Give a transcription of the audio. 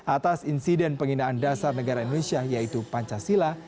atas insiden penghinaan dasar negara indonesia yaitu pancasila